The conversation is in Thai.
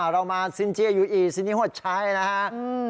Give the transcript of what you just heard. เรามาซินเจียยูอีซินิโฮดใช้นะครับ